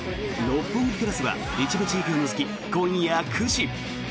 「六本木クラス」は一部地域を除き今夜９時。